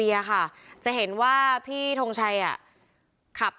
แซ็คเอ้ยเป็นยังไงไม่รอดแน่